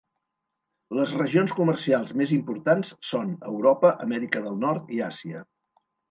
Les regions comercials més importants són Europa, Amèrica del Nord i Àsia.